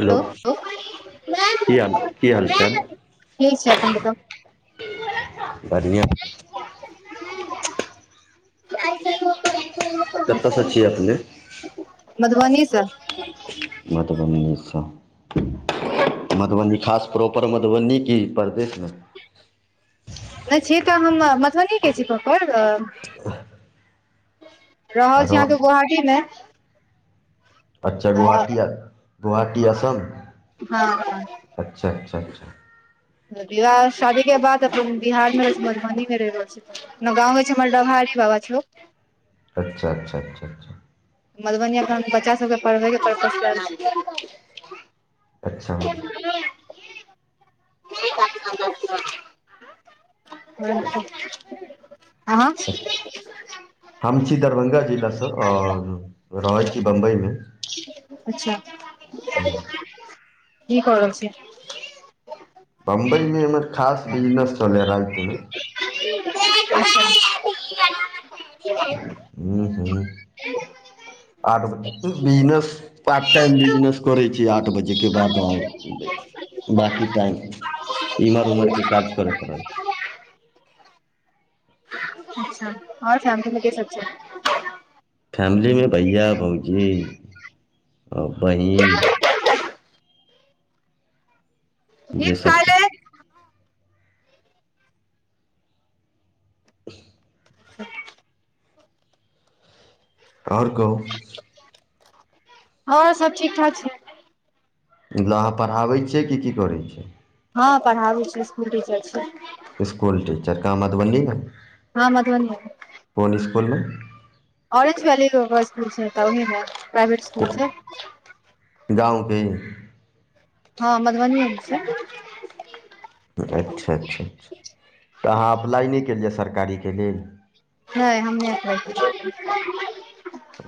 hello की हाल की हालचाल ठीक छै अपन देखब बढ़िआँ आइसा कतयसँ छियै अपने [inaudible] मधुबनी सँ बतबनीसँ मधुबनी खास प्रॉपर मधुबनी की परदेश नहि छी तऽ हम मधुबनी के छी पोखर रहल छी र अहाँके गोहाटी मे अच्छा हँ गोवाहाटी गोवाहाटी असम हँ अच्छा अच्छा अच्छा विवाह शादी के बाद अपन बिहारमे मधुबनी मे रहि रहल छी न गाँव गै छै हमर डभा छै बाबाथ लोक अच्छा अच्ा अच्छा अ्छा मधुबनीआप हम बच्चा सभके पढ़बयके परपस कर अच्छा ह [inaudible] आँ हम छी दरभंगा जिलासँ आओर रहैत छी बम्बईमे अच्छा ह कि करहल छी बम्बई मे हमर खास बिजनेस चलै हय राति मे [unintelligible] ह हू आठ ब बिजनेस पार्ट टाइम बिजनेस करै छी आठ बजे के बाद आ बाकी टाइम इमहर उमहरके काज करय पड़ल छै अच्छा आओर फैमली मे के सब छै फैमिलीमे भैया भौजी आ बहिन जे सब छथि [unintelligible] [unintelligible] [unintelligible] आओर कहू आओर हँ सब ठीक ठाक छै मतलब अहाँ पढ़ाबैत छियै कि की करै छिय हँ पढ़ाबे छी स्कूल टीचर छी स्कुल टीचर कहाँ मधुबनीमे हँ मधुबनी मे कोन स्कूल में ऑरेज वैली स्कूल छै प्राइवेट स्कूल गाँव के हँ मधुबनी के छै अच्छा अच्छा अच्छा तऽ अहाँ अप्लाइ नहि केलियै सरकारीके लेल नहि हम नहि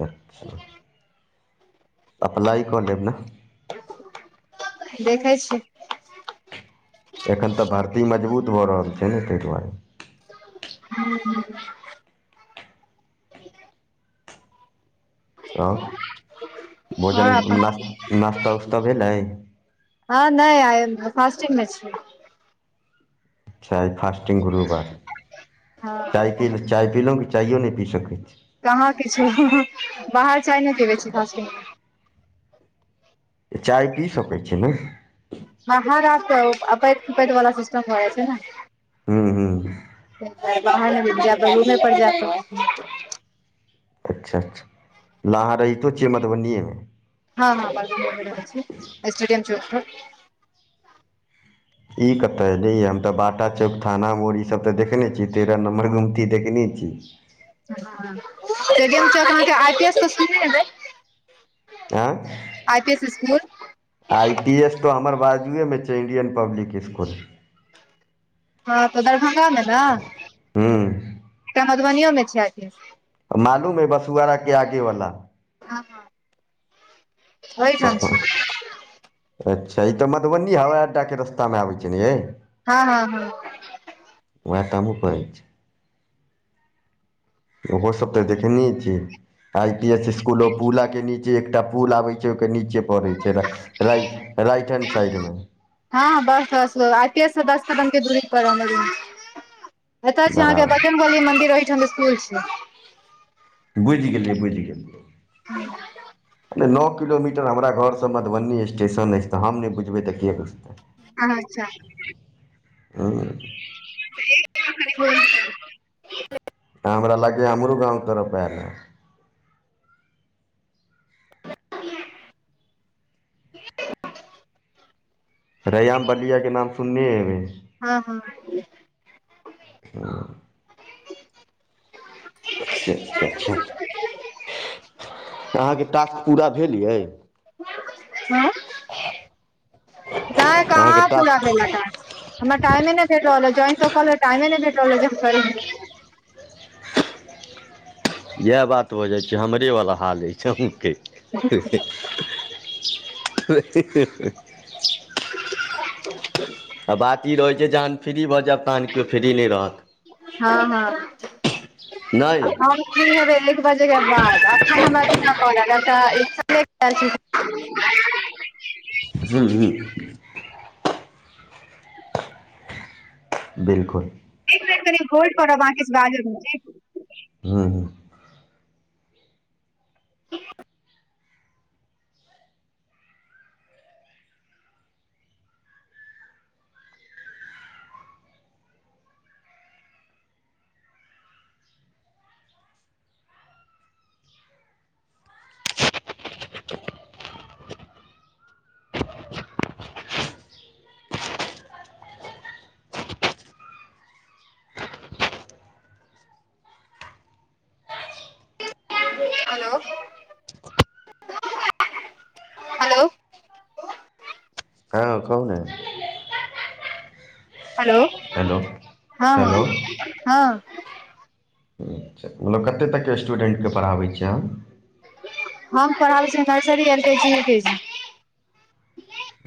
अच्छा अप्लाइ कऽ लेब ने देखै छीयै एखन तऽ भर्ती मजबूत भऽ रहल छै ने ताहि दुआरे ह ओ आओर भोजन अपन न नास्ता उस्ता भेलै हँ नहि आइ मे फास्टिंग मे छि चाय फास्टिंग गुरु बार हँ चाय पीहुँ चाय पीलहुँ कि चायओ नहि पी सकैत छी कहाँ किछु बाहर चाय नहि पिबै छी फास्टिगं मे तऽ चाय पी सकैत छी ने वाहर अपैैत कपैत वाला सिस्टम हो जा छै ने हू हू बाहर नहि पिबै छी रूपमे पर जा क अच्छा अच्छा अहाँ रहितो छियै मधुबनियएमे हँ हं मधुबनीमे स्टेडियम चौक पर ई कते लै या हम तऽ बाटा चौक थाना मोड़ ई सब तऽ देखने छियै तेरह नम्मर गुमती देखने छियै अहाँके आ आँ S school I P S तऽ हमर बाजूएमे छै इण्डियन पब्लिक स्कूल हँ तऽ दरभंगा मे ने हूँ तऽ मधुबनीयो मे छै अथी मालूम हय बसुआरा के आगे वला ओहि‌ ठाम छै अच्छा ई तऽ मधुबनी हवाई अड्डाके रस्तामे आबैत छै ने यै हँ हँ हँ उहै तऽ हमहु कहय छी ओहोसभ तऽ देखने छियै आई पी एस स्कूलो पुल के नीचे एकटा पुल आबै छै ओहिके नीचे पढ़े छै राइट राइट हैंड साइडमे हँ बस बस आइ पी एस सँ दस कदम के दूरी पर एतय छै अहाँके बराबर बजरंग बली मंदिर ओहिठाम स्कुल छै बुझि गेलियै बुझि गेलियै नो किलोमीटर हमरा घरसँ मधुबनी स्टेशन अछि तऽ हम नहि बुझबै तऽ के बुझतै हँ अच्छा हँ [unintelligible] हमरा लागै हमरो गाँंव तरफ एल हन [unintelligible] रैयाम बलिया के नाम सुनने हेबैय हँ हँ ह अच्छा अच्छा अच्छा तऽ अहाँके टास्क पूरा भेल यै हँ नहि अहाँके कहाँ पूरा टास्क भेल हमरा टाइमे नहि भेट रहल है ज्वाइन तऽ कलेब टाइमे नहि भेट रहल है [unintelligible] इएह बात हो जाइ छै हमरे वाला हालै छके [unintelligible] [unintelligible] आ बात ई रहैत छै जहन फ्री भऽ जायब तहन केओ फ्री नहि रहत हँ हँ नहि हम फ्रि हेबै एक बजे के बाद अखन हमरा एल छी [unintelligible] ह्म बिलकुल एक मिनट कनि होलड पर अहाँ रहब अहाँ किछ बाजब नहि ठीक हूँँ हेलो हेलो ह कहु ने हेलो हेलो हँ हेलो हँ अच्छा ओइ मे कते तकके स्टूडेन्टके पढ़ाबै छियै अहाँ हम पढ़ाबै छी nursery LKG UKG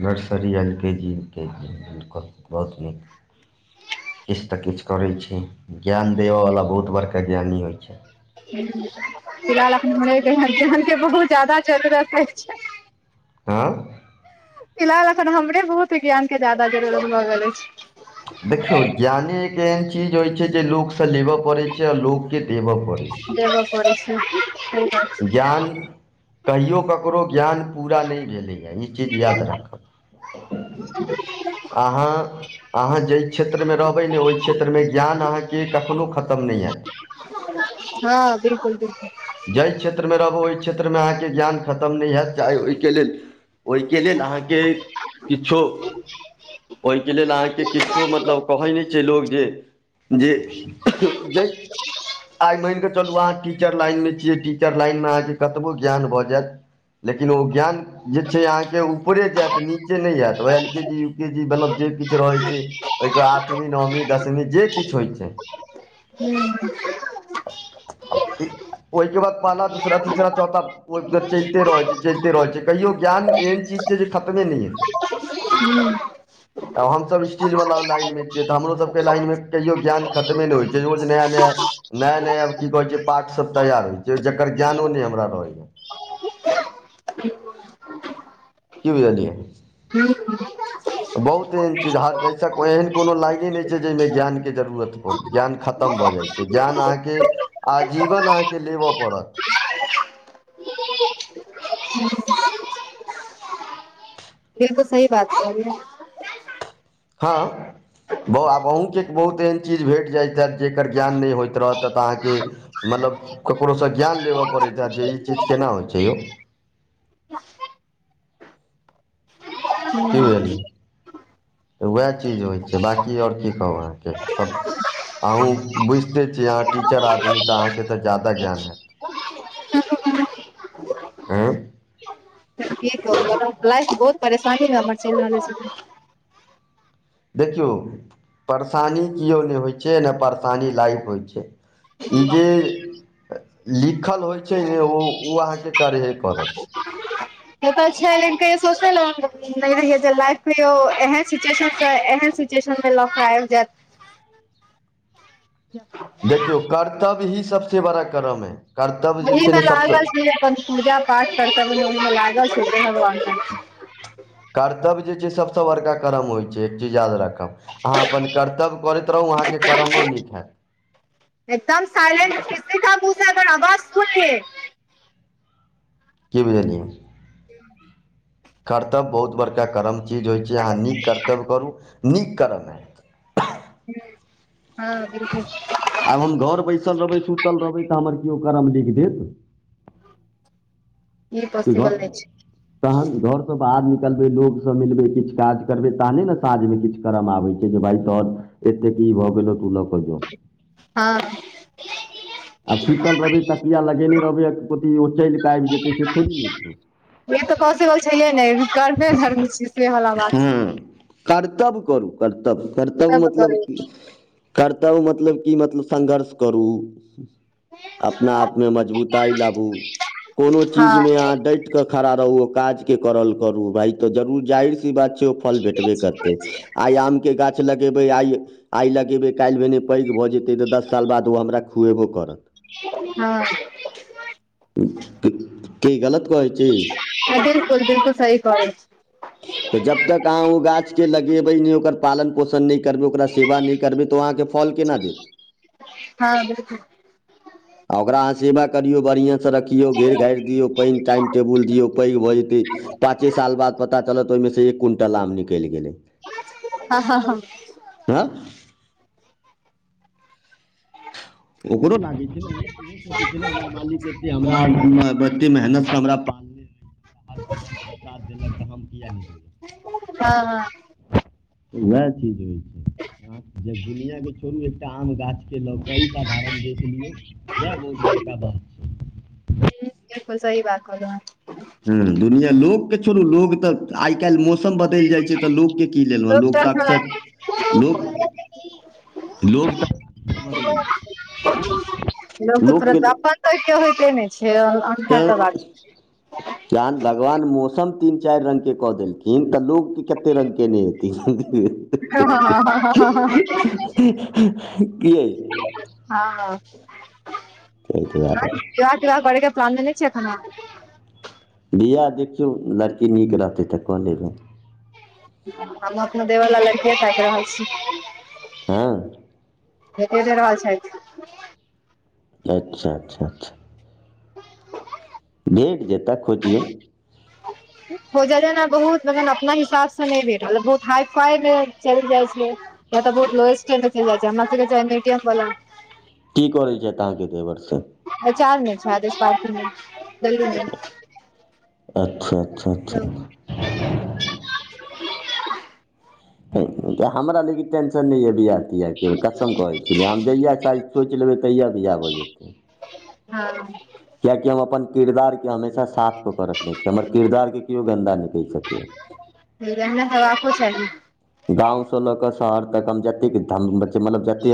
nursery L K G U K G बहुत नीक किछु तऽ किछु करै छी ज्ञान देबयवला बहुत बड़का ज्ञानी होइ छै फिलहाल एखह जहान के बहुत जादा जरूरत छै आँ फिलहाल अखन हमरे बहुत ज्ञान के जदा जरूरत भऽ गेल अछि देखियौ ज्ञाने एक एहन चीज होइ छै जे लोकसँ लेबऽ पड़ै छै आ लोक के देवय पड़े देब पड़ै छै सही बात ज्ञान कहियो ककरो ज्ञान पुरा नइ भेलै ह इ चीज याद राखब अहाँ अहाँ जैइ क्षेत्रमे रहबै ने ओइ क्षेत्रमे ज्ञान अहाँके कखनो खतम नइ हैत हँ बिलकुल बिलकुल जाहि क्षेत्रमे रहबू ओहि क्षेत्रमे अहाँके ज्ञान खतम नहि हएैत चाहे ओहिके लेल ओइके लेल अहाँके किछो [unintelligible] ओहिके लेल अहाँके किछो मतलब कहै नहि छै लोक जे जे जय आय मनि कऽ चलु अहाँ टीचर लाइन मे छियै टीचर लाइन मे अहाँके कतबो ज्ञान भऽ जायत लेकिन ओ ज्ञान जे छै अहाँके ऊपरे जायत नीचे नहि जायत ओएहल के मतलब जे किछु रहै छै ओहिके आठवीं नओवीं दसमी जे किछु होइ छै हूं अबि [inaudible] ओहिके बाद पाला दूसरा तीसरा चौथा चलिते रह छै चलिते रहैत छै कहियो ज्ञान एहन चीज से जे खत्मे नहि आय हुँ आब हमसभ स्टीजवला लाइनमे छियै तऽ हमरोसभके लाइनमे कहियओ ज्ञान खतमे नहि होइ छै रोज नया नया नया नया आब की कहैत छै पाठसभ तैयार होइत छै जकर ज्ञानो नहि हमरा रहैए की बुझलियै ह [inaudible] बहुत एहन चीज आहां के एहन कोनो लाइने नइ छै जाइमे ज्ञानके जरूरत होत ज्ञान खतम भऽ जाइ जे ज्ञान अहाँके आजीवन अहाँके लेबऽ पड़त बिल्कुल सही बात कहलिए हाँ बौआ अहूँके बहुत एहन चीज भेट जाइत हैत जेकर ज्ञान नइ होइत रहततऽ अहाँकेँ मतलब ककरोसँ ज्ञान लेबय पड़ैत ह जे ई चीज केना होइत छै यौ न [inaudible] की बुझलियै तऽ उएह चीज होइ छै बाँकी और की कहु अहाँके सब अहुँ बुझिते छी अहाँ टीचर आदमी तऽ अहाँकेँ तऽ जादा ज्ञान हैत कहलियै आँय लाइफ मे बहुत परेशानी ह हमर चलि रहल छै देखियौ परेशानी किओ नहि होइ छै नहि परेशानी लाायक होइ छै ई जे लिखल होइत छै ने ओ ओ अहाँकेँ करहे पड़त से त छैय कहियो सोचने नहि रहै लाइफ मे यौ एहन सिचूशन ऐ एह टीयूशन मे ल क आबि जायत ह [inaudible] [unintelligible] देखियौ कर्तव्य ही सबसे बड़ा कर्म है कर्तव्य जे छै वहिमे ने सबसँ लागल छी अपन अपन पूजा पाठ करताबै ओहिमे लागल छी कर्तव्य जे छै सबसे बड़का कर्म होइ छै एक चीज याद राखब अहाँ अपन कर्तव्य करैत रहू अहाँके कर्मो नीक हैत एकदम साइलेट किसी पूस अगर आवाज सुने कि बुझलियै [unintelligible] कर्तव्य बहुत बड़का कर्म चीज होइत छै अहाँ नीक कर्तव्य करू नीक कर्म हइ हँ बिलकुल आब हम घर बैसल रहबै सुतल रहबै तऽ हमर केओ करम लिख देत ई घर पॉसिबल नहि छै तहन घर बाहर निकलबै लोक सब मिलबै किछु काज करबै तहने ने साँझमे किछु कम आबै छै जे भाइ तऽ एतेक की भ गलो तु ल क जो हँ आ सुतल रहबै तकिया लगेने रहबै अथि ओ चलि कऽ आबि जेतै से थोड़ी नइ छै ई तऽ पॉसिबल छै हे नइ कर्मे धर्म छै से वाला बात हँ कर्तव्य करू कर्तव्य कर्तव्य सब मतलब करै की छी, कर्तव्य मतलब कि मतलब संङघर्ष करू अपना आपमे मजबूताई लाबू कोनो चीज हँ मे अहाँ डै खड़ा रह काज करू भ तऽ जर जार सी बात छै फल भेटबे करतै आय आमके गाछ लगेबै आय आय लगेबै काल्हि भेने पैघ भऽ जेतै तऽ दस साल बाद ओ हमरा खुएबो करत हँ की गलत कहै छी बिल्कुल बिल्कुल सही कहै छी तऽ जब तक अहाँ ओ गाछके लगेबै नहि ओकर पालन पोषण नहि करबै ओकरा सेवा नहि करबै तऽ ओ अहाँके फल केना देत हँ बिल्कुल आ ओकरा अहाँ सेवा करियौ बढ़ियां से रखियौ घेर घारि दियौ पानि टाइम टेबुल दियौ पैघ भऽ जेतै पाँचे साल बाद पता चलत त ओहिमेसँ एक क्विंटल आम निकलि गेलै हँ हँ ह आँ ओकरो लागे छै ने उहो सोचै छै हमर मालिक एते हमरा एते मेहनत से हमरा पाल रा हर कदमप साथ देलक तऽ हम किए हँ हँ नहियै त उएह चीज होइ छै दुनिया के छोड़ू एकटा आम गाछ के ल साधारण देख लियौ वएह बहुत बड़का बात ई त सही बात कहलौं ह ह दुनिया लोग के छोड़ू लोग तऽ आय काल्हि मौसम बदलि जाय छै तऽ लोकके कि [unintelligible] लेलहुँ लोक तऽ अक्सर लोक लोक तऽ बदलै लोक छै त लोकके तुरत अपन त के होइते ने छै तऽ बात छै जहन भगवान मौसम तीन चारि रंग के कऽ देलखिन तऽ लोग कते रंग केने हेती ह ह हूं हूं हूं के ऐ हाँ ताहि दुआरे विवाह तिवाह करे के प्लान देने [unintelligible] वियाह देखियौ लड़की नीक रहतै तऽ कऽ लेबै हमहु अपना देवर लेल लड़किये ताइक रहल छी ह भेटे नहि रहल छथि अच्छा अच्छा अच्छा भेट जेता खोजियौ [inaudible] हो जाै ने बहुत ल अपना हिसाबसँ नहि भेटल बहुत हाई फाई चलि जाई छै यऽ बहुत लोएस्ट ख जाइ छै हम त ब की करै छथि अहाँके देवर से अचार नहि छै आद पार्कमे दलमे अच्छा अच्छा अच्छा हमरा लेकिन टेंशन नहि यऽ बियाह तियाह कसम कहै छलै हम जहिया चाह सोचि लेबै तहिया विवाह भऽ जेतै हा किया कि हम अपन किरदार के हमेशा साफ कऽ के रखय छी हमर किरदार के कियो गंदा नै कहि सकेया हमरा हेबाको चाही गाँव से लऽ क शहर तक जतेय ध मतलब जतेय